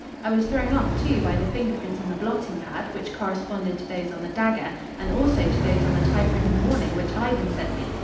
I was thrown off, too, by the finger prints on the blotting pad, which corresponded to those on the dagger, and also to those on the typewritten warning which Ivan sent me.